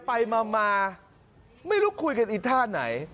ไปมาไม่รู้คุยกันอีกท่าไหน